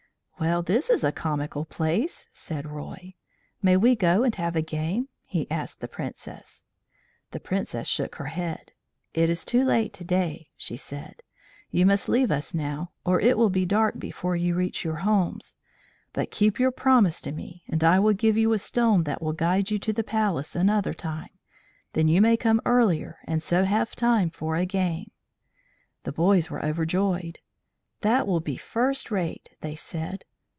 "Well, this is a comical place," said Roy. "May we go and have a game?" he asked the Princess. The Princess shook her head. "It is too late to day," she said. "You must leave us now, or it will be dark before you reach your homes. But keep your promise to me, and I will give you a stone that will guide you to the Palace another time. Then you may come earlier and so have time for a game." The boys were overjoyed. "That will be first rate," they said.